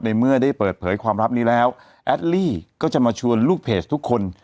เมื่อได้เปิดเผยความลับนี้แล้วแอดลี่ก็จะมาชวนลูกเพจทุกคน